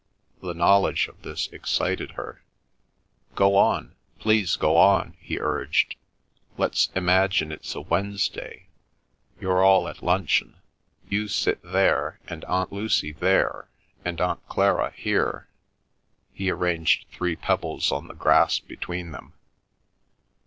The knowledge of this excited her. "Go on, please go on," he urged. "Let's imagine it's a Wednesday. You're all at luncheon. You sit there, and Aunt Lucy there, and Aunt Clara here"; he arranged three pebbles on the grass between them.